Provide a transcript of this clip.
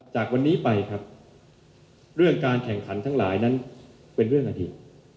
จากวันนี้ไปครับเรื่องการแข่งขันทั้งหลายนั้นเป็นเรื่องอดีต